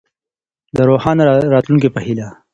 د روښانه راتلونکي په هيله.